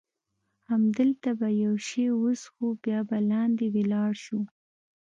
همدلته به یو شی وڅښو، بیا به لاندې ولاړ شو.